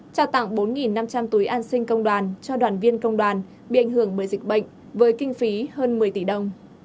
trao tặng bốn năm trăm linh túi an sinh công đoàn cho đoàn viên công đoàn bị ảnh hưởng bởi dịch bệnh với kinh phí hơn một mươi tỷ đồng